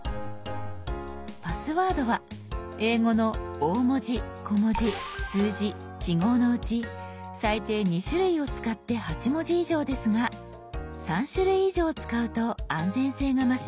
「パスワード」は英語の大文字小文字数字記号のうち最低２種類を使って８文字以上ですが３種類以上使うと安全性が増します。